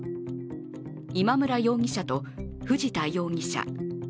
今村容疑者と藤田容疑者。